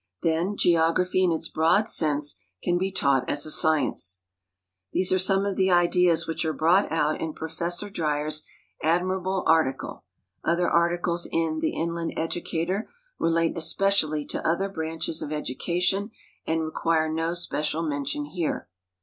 Then geography in its broad st>nse can be taught as a science. These are soine of the idi as which are brought t)ut in Professor Dryer's admirable article. Other articles in "The Iidand Educator " relate especially to other branches of education and recpiire no special mention here.